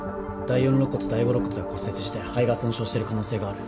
第４肋骨第５肋骨が骨折して肺が損傷してる可能性がある。